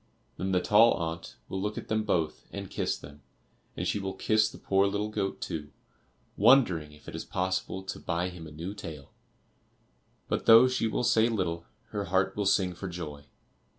Then the tall aunt will look at them both and kiss them; and she will kiss the poor little goat too, wondering if it is possible to buy him a new tail. But though she will say little, her heart will sing for joy.